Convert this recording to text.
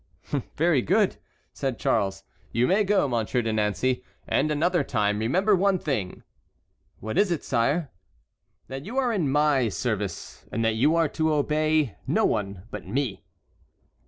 "Very good," said Charles IX. "You may go, Monsieur de Nancey, and another time, remember one thing." "What is it, sire?" "That you are in my service, and that you are to obey no one but me."